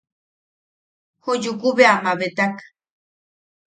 Ju Yuku bea a mabetak.